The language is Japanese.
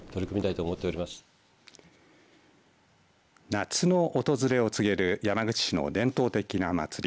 夏の訪れを告げる山口市の伝統的な祭り